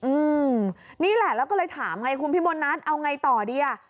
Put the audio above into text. อืมนี่แหละแล้วก็เลยถามไงคุณพี่มณัฐเอาไงต่อดีอ่ะ